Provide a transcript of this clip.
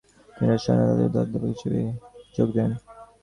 তিনি রসায়ন ও ধাতুবিদ্যার অধ্যাপক হিসেবে যোগ দেন।